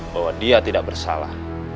bahwa dia tidak bersalah